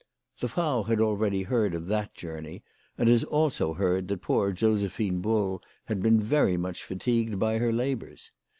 The Frau had already heard of that journey, and had also heard that poor Josephine Bull had been very much fatigued by her labours.